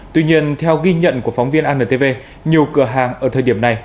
tuy nhiên theo ghi nhận của phóng viên antv nhiều cửa hàng ở thời điểm này